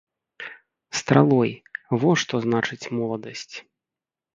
Стралой, во што значыць моладасць.